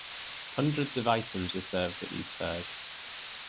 Hundreds of items are served at these fairs.